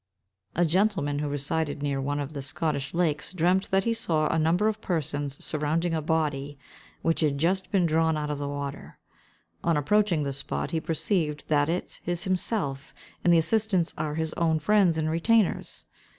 A gentleman, who resided near one of the Scottish lakes, dreamed that he saw a number of persons surrounding a body, which had just been drawn out of the water. On approaching the spot, he perceives that it is himself, and the assistants are his own friends and retainers.